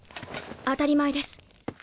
当たり前です。